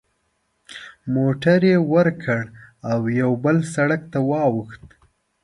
موټر یې ورو کړ او یوه بل سړک ته واوښت.